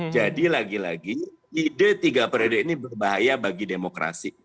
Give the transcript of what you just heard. jadi lagi lagi ide tiga periode ini berbahaya bagi demokrasi